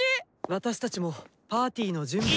私たちもパーティーの準備を。